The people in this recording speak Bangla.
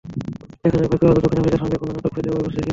দেখা যাক ভাগ্য আজও দক্ষিণ আফ্রিকার সঙ্গে কোনো নাটক ফেঁদে বসে কিনা।